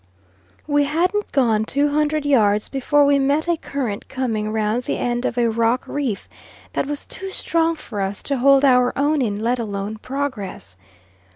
We hadn't gone 200 yards before we met a current coming round the end of a rock reef that was too strong for us to hold our own in, let alone progress.